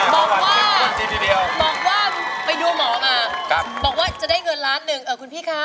บอกว่าไปดูหมอมาบอกว่าจะได้เงินล้านหนึ่งคุณพี่คะ